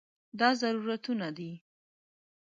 دا ضرورتونو ده.